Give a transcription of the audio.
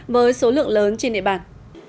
với số lượng lớn trên địa bàn